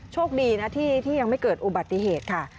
โชคดีนะที่ยังไม่เกิดอุบัติเหตุค่ะ